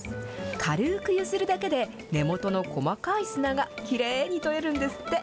軽くゆするだけで、根元の細かい砂が、きれいに取れるんですって。